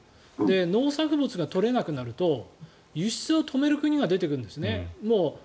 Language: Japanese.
農作物が取れなくなると輸出を止める国が出てくるんですね。